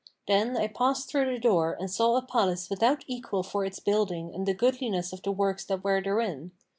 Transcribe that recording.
Then I passed through the door and saw a palace without equal for its building and the goodliness of the works that were therein.